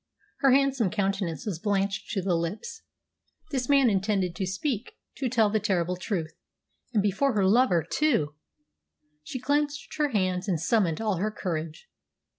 Her handsome countenance was blanched to the lips. This man intended to speak to tell the terrible truth and before her lover too! She clenched her hands and summoned all her courage.